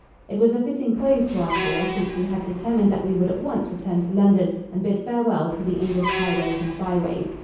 It was a fitting close to our tour, since we had determined that we would at once return to London and bid farewell to the English highways and byways.